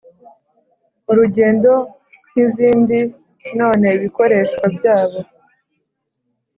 urugendo nk izindi None ibikoreshwa byabo